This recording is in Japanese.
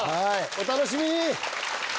お楽しみに！